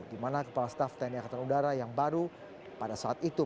di mana kepala staff tni angkatan udara yang baru pada saat itu